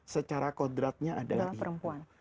secara kodratnya adalah perempuan